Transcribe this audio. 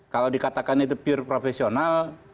kalau dikatakan itu pure profesional